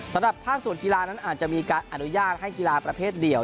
สำหรับภาคส่วนกีฬานั้นอาจจะมีการอนุญาตให้กีฬาประเภทเดียว